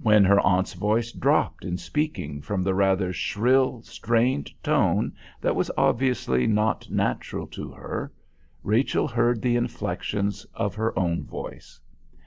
When her aunt's voice dropped in speaking from the rather shrill, strained tone that was obviously not natural to her, Rachel heard the inflexions of her own voice.